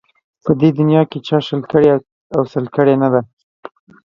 په دې دنیا کې چا شل کړي او سل کړي نه ده